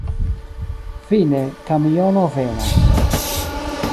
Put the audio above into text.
Fine, kamiono venas.